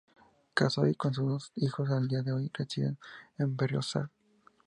Casado y con dos hijos, a día de hoy reside en Berriozar.